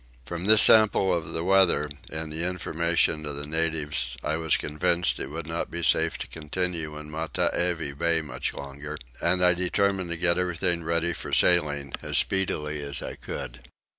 From this sample of the weather and the information of the natives I was convinced it would not be safe to continue in Matavai Bay much longer; and I determined to get everything ready for sailing as speedily as I could.